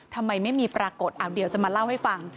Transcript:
ทำไมไม่มีปรากฏเดี๋ยวจะมาเล่าให้ฟัง